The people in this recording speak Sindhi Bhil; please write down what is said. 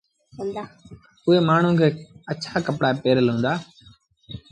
اُئي مآڻهوٚٚݩ کي اڇآ ڪپڙآ پهرل هُݩدآ